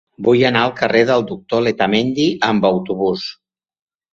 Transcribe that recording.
Vull anar al carrer del Doctor Letamendi amb autobús.